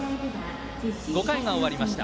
５回が終わりました